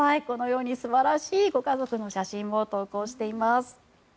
このように素晴らしいご家族の写真も投稿しています。